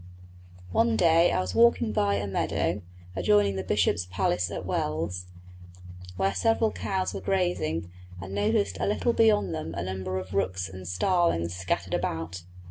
One day I was walking by a meadow, adjoining the Bishop's palace at Wells, where several cows were grazing, and noticed a little beyond them a number of rooks and starlings scattered about.